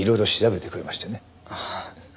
ああ。